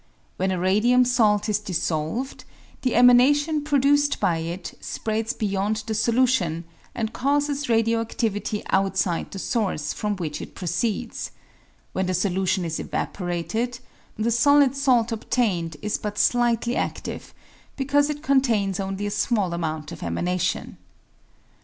When a radium salt is dissolved, the emanation produced by it spreads beyond the solution, and causes radio adlivity out side the source from which it proceeds ; when the solution s evaporated, the solid salt obtained is but slightly adive, because it contains only a small amount of emanation.